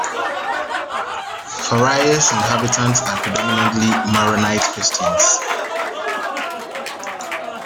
Faraya's inhabitants are predominantly Maronite Christians.